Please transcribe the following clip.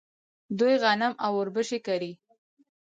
دوی غنم او وربشې کري.